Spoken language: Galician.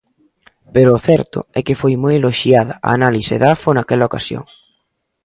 Pero o certo é que foi moi eloxiada a análise Dafo naquela ocasión.